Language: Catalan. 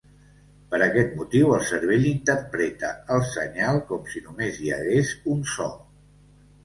Per aquest motiu el cervell interpreta el senyal com si només hi hagués un so.